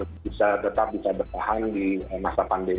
untuk bisa tetap bisa bertahan di masa pandemi